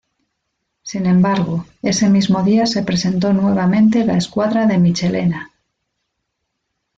Sin embargo ese mismo día se presentó nuevamente la escuadra de Michelena.